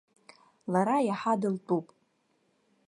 Лара иаҳа дылтәуп.